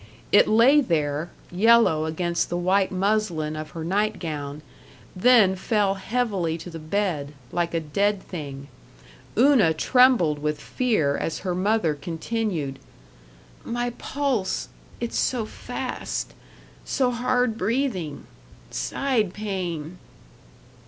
It lay there, yellow against the white muslin of her nightgown, then fell heavily to the bed, like a dead thing. Una trembled with fear as her mother continued, "My pulse it's so fast so hard breathing side pain."